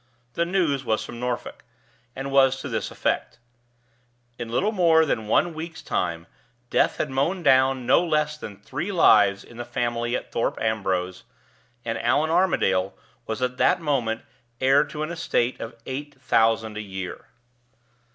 The news was from Norfolk, and was to this effect. In little more than one week's time death had mown down no less than three lives in the family at Thorpe Ambrose, and Allan Armadale was at that moment heir to an estate of eight thousand a year!